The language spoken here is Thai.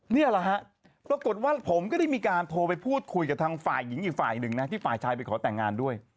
นี่แหละฮะปรากฏว่าผมก็ได้มีการโทรไปพูดคุยกับทางฝ่ายหญิงอีกฝ่ายหนึ่งนะที่ฝ่ายชายไปขอแต่งงานด้วย